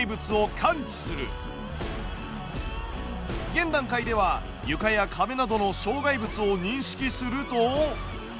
現段階では床や壁などの障害物を認識すると。